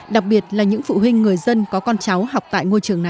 đặc biệt là những phụ huynh người dân có con cháu học tại ngôi trường này